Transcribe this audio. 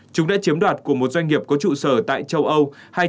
chúng đã chiếm đoạt của một doanh nghiệp có trụ sở tại châu âu hai trăm ba mươi sáu